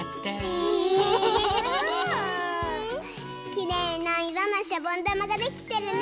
きれいないろのしゃぼんだまができてるね。